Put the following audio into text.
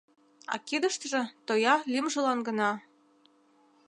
А кидыштыже тоя лӱмжылан гына.